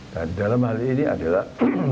dan dalam hal ini adalah